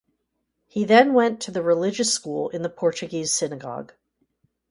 He then went to the religious school in the Portuguese Synagogue.